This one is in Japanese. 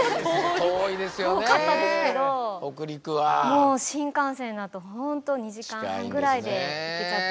もう新幹線だとほんと２時間半ぐらいで行けちゃって。